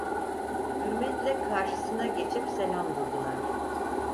Hürmetle karşısına geçip selam durdular…